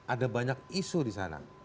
ada banyak isu disana